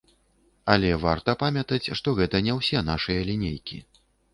Але варта памятаць, што гэта не ўсе нашыя лінейкі.